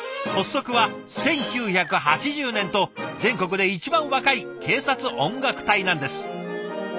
発足は１９８０年と全国で一番若い警察音楽隊なんです。